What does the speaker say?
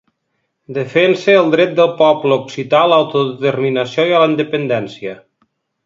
Defensa el dret del poble occità a l'autodeterminació i a la independència.